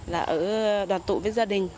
là ở đoàn tụ với gia đình